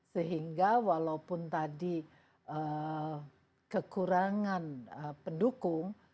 sehingga walaupun tadi kekurangan pendukung